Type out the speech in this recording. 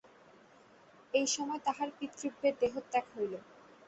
এই সময় তাঁহার পিতৃব্যের দেহত্যাগ হইল।